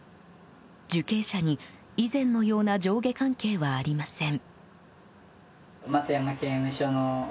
受刑者に、以前のような上下関係はありません。